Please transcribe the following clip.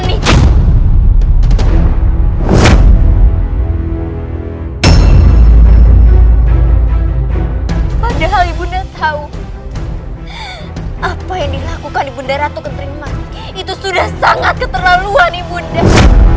itu sudah sangat keterlaluan ibu enggak